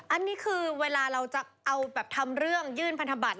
อันนี้คือเวลาเราจะเอาแบบทำเรื่องยื่นพันธบัตร